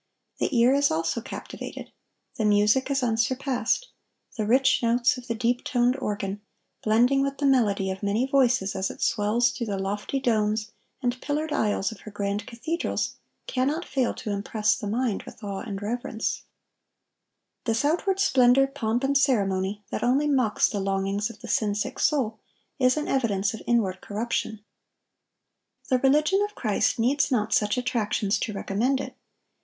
The ear also is captivated. The music is unsurpassed. The rich notes of the deep toned organ, blending with the melody of many voices as it swells through the lofty domes and pillared aisles of her grand cathedrals, cannot fail to impress the mind with awe and reverence. [Interior of a church.] This outward splendor, pomp, and ceremony, that only mocks the longings of the sin sick soul, is an evidence of inward corruption. The religion of Christ needs not such attractions to recommend it.